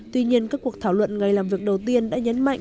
tuy nhiên các cuộc thảo luận ngày làm việc đầu tiên đã nhấn mạnh